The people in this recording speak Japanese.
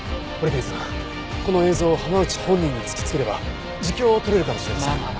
堀切さんこの映像を浜内本人に突きつければ自供を取れるかもしれません。